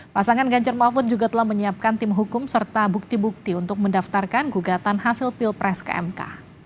pasangan ganjar mahfud juga telah menyiapkan tim hukum serta bukti bukti untuk mendaftarkan gugatan hasil pilpres ke mk